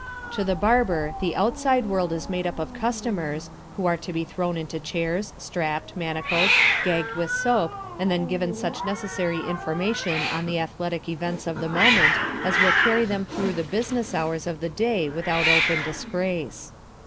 To the barber the outside world is made up of customers, who are to be thrown into chairs, strapped, manacled, gagged with soap, and then given such necessary information on the athletic events of the moment as will carry them through the business hours of the day without open disgrace.